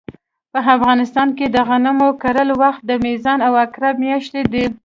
په افغانستان کې د غنمو کرلو وخت د میزان او عقرب مياشتې دي